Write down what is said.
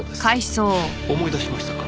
思い出しましたか？